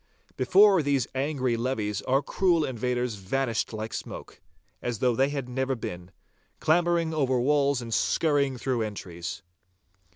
Before these angry levies our cruel invaders vanished like smoke, as though they had never been, clambering over walls and scurrying through entries.